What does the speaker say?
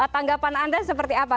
tanggapan anda seperti apa